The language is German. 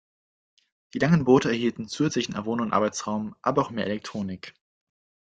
Die langen Boote erhielten zusätzlichen Wohn- und Arbeitsraum, aber auch mehr Elektronik.